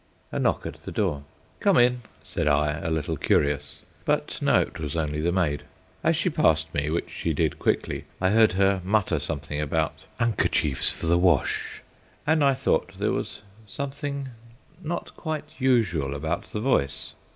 A knock at the door. "Come in," said I, a little curious; but no, it was only the maid. As she passed me (which she did quickly) I heard her mutter something about "'ankerchieves for the wash," and I thought there was something not quite usual about the voice.